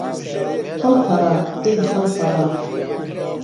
ههڵپهڕه دهی ههڵپهڕه